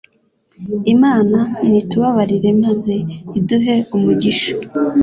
Imana nitubabarire maze iduhe umugisha